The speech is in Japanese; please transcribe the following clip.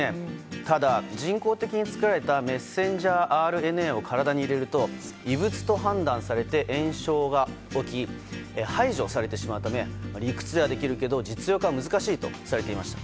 ただ、人工的に作られたメッセンジャーＲＮＡを体に入れると異物と判断されて炎症が起き排除されてしまうため理屈ではできるけど実用化は難しいとされていました。